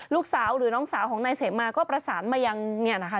ลูกสาวหรือน้องสาวของนายเสมาก็ประสานมายังเนี่ยนะคะ